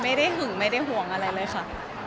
ไม่ได้หึงไม่ได้ห่วงอะไรเลยค่ะ